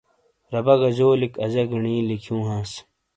ربہ گہ جولیک اجہ گنی لکھیوں ہانس۔